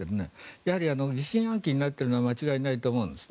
やはり疑心暗鬼になっているのは間違いないと思うんですね。